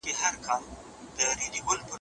يوسف عليه السلام ستر مصيبتونه زغملي دي.